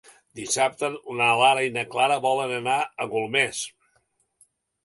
Dissabte na Lara i na Clara volen anar a Golmés.